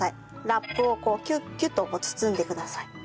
ラップをこうキュッキュッと包んでください。